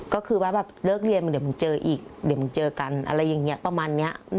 ก็คือว่าแบบเลิกเรียนเดี๋ยวมึงเจออีกเดี๋ยวมึงเจอกันอะไรอย่างนี้ประมาณนี้